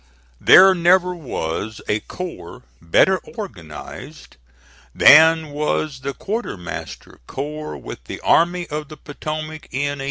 There never was a corps better organized than was the quartermaster's corps with the Army of the Potomac in 1864.